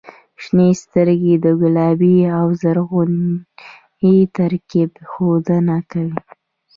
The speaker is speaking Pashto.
• شنې سترګې د ګلابي او زرغوني ترکیب ښودنه کوي.